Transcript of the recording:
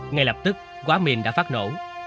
ngay lập tức quá mềm đã phát nổ